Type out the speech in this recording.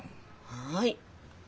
はい。